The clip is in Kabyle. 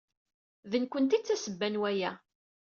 D nekkenti ay d tasebba n waya.